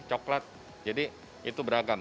coklat jadi itu beragam